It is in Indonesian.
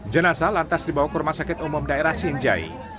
jenasa lantas dibawa ke rumah sakit umum daerah sinjai